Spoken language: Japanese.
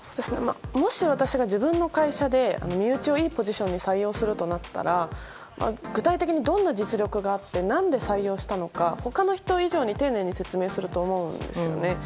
もし私が自分の会社で身内をいいポジションに採用するとなったら具体的に、どんな実力があって何で採用したのか他の人以上に丁寧に説明すると思うんですよね。